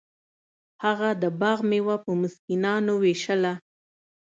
هغه د باغ میوه په مسکینانو ویشله.